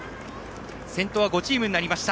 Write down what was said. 先頭は５チームになりました。